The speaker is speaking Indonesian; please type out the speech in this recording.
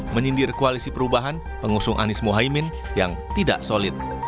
menyindir koalisi perubahan pengusung anies mohaimin yang tidak solid